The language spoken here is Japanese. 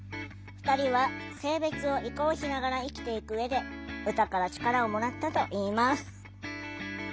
２人は性別を移行しながら生きていく上で歌から力をもらったといいます。